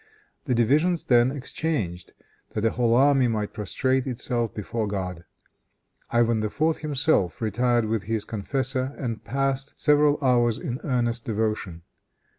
The divisions then exchanged that the whole army might prostrate itself before God. Ivan IV. himself retired with his confessor and passed several hours in earnest devotion.